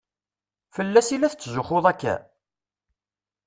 Fell-as i la tetzuxxuḍ akka?